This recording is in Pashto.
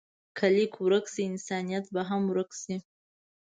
که لیک ورک شي، انسانیت به هم ورک شي.